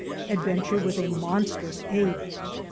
— Adventure with a monstrous Ape.